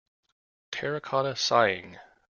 Terracotta Sighing.